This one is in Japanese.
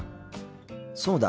そうだ。